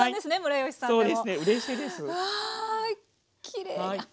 きれい。